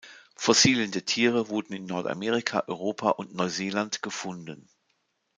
Fossilien der Tiere wurden in Nordamerika, Europa und Neuseeland gefunden.